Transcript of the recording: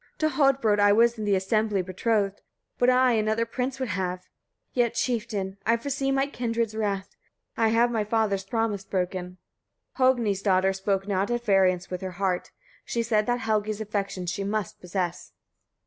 14. "To Hodbrodd I was in th' assembly betrothed, but I another prince would have: yet, chieftain! I foresee my kindred's wrath: I have my father's promise broken." 15. Hogni's daughter spoke not at variance with her heart: she said that Helgi's affection she must possess.